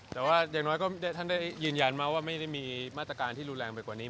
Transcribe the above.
แต่ว่าอย่างน้อยก็ท่านได้ยืนยันมาว่าไม่ได้มีมาตรการที่รุนแรงไปกว่านี้